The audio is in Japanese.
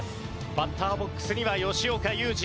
バッターボックスには吉岡雄二。